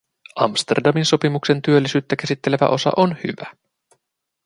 Amsterdamin sopimuksen työllisyyttä käsittelevä osa on hyvä.